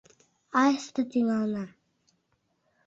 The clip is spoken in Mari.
Айста тӱҥалына: